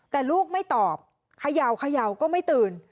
แต่ลูกไม่ตอบเขย่าก็ไม่ตื่น